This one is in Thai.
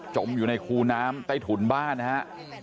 อยู่ในคูน้ำใต้ถุนบ้านนะฮะ